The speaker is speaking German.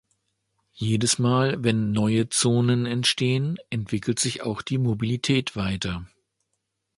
Jedes Mal, wenn neue Zonen entstehen, entwickelt sich auch die Mobilität weiter.